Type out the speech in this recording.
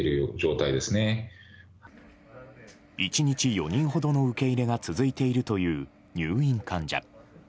１日４人ほどの受け入れが続いているという入院患者。